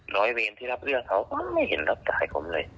ร้อยเวรที่รับเรื่องเขาก็ไม่เห็นรับจ่ายผมเลย